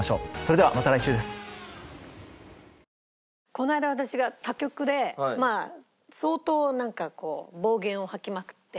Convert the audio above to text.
この間私が他局で相当なんかこう暴言を吐きまくって。